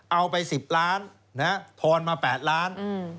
เอาไป๑๐ล้านนะฮะทอนมา๘ล้าน